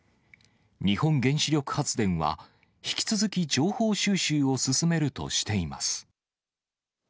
日本原子力発電は、引き続き情報収集を進めるとしています。